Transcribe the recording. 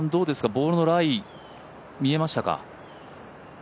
ボールのライ、見えましたか？